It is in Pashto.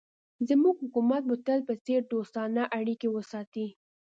زموږ حکومت به د تل په څېر دوستانه اړیکې وساتي.